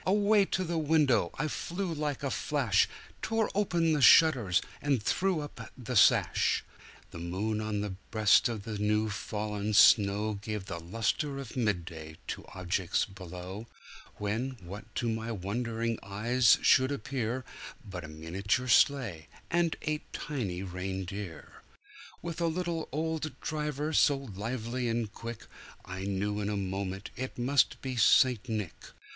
Away to the window I flew like a flash, Tore open the shutters and threw up the sash. The moon on the breast of the new fallen snow Gave the lustre of mid day to objects below, When, what to my wondering eyes should appear, But a miniature sleigh, and eight tiny reindeer, With a little old driver, so lively and quick, I knew in a moment it must be St. Nick.